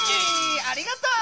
ありがとう！